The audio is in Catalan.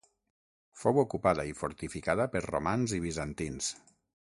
Fou ocupada i fortificada per romans i bizantins.